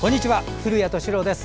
古谷敏郎です。